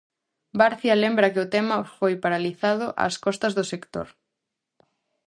Barcia lembra que o tema foi paralizado ás costas do sector.